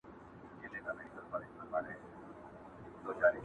نجلۍ ورو ورو بې حرکته کيږي او ساه يې سړېږي،